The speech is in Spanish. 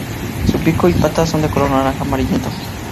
Su pico y patas son de color naranja amarillento.